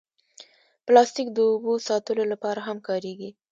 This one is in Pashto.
پلاستيک د اوبو ساتلو لپاره هم کارېږي.